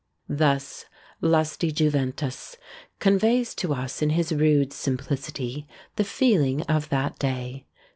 Thus "Lusty Juventus" conveys to us in his rude simplicity the feeling of that day.